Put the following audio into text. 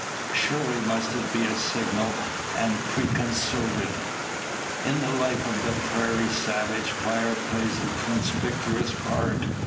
Surely must it be a signal, and preconcerted? In the life of the prairie savage fire plays a conspicuous part.